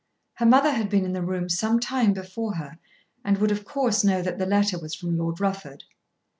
Her mother had been in the room some time before her, and would of course know that the letter was from Lord Rufford.